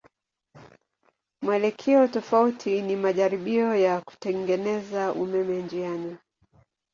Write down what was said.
Mwelekeo tofauti ni majaribio ya kutengeneza umeme njiani.